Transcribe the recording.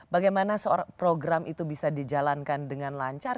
bagaimana program itu bisa dijalankan dengan lancar